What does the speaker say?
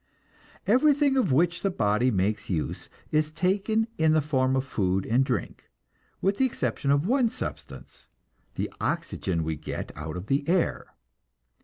Everything of which the body makes use is taken in the form of food and drink, with the exception of one substance, the oxygen we get out of the air.